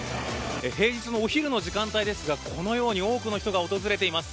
平日のお昼の時間帯ですがこのように多くの人が訪れています。